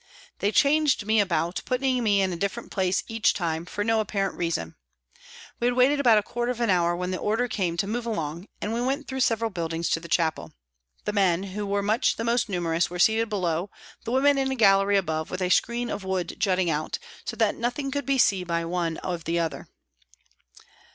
They changed me about, putting me in a different place each time, for no apparent reason. We had waited about a quarter of an hour, when the order came to move along, and we went through several buildings to the chapel. The men, who were much the most numerous, were seated below, the women in a gallery above with a screen of wood jutting out, so that nothing could be seen by one of the other.